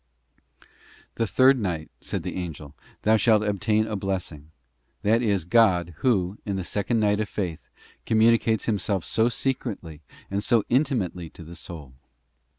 'The third night,' said the angel, 'thou shalt obtain a blessing '— that is, God, Who, in the second night of faith, communicates Himself so secretly and so intimately to the soul.